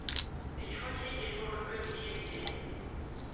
Ekifo kiri kyetooloddwa emiti eminene.